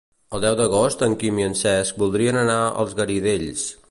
El deu d'agost en Quim i en Cesc voldrien anar als Garidells.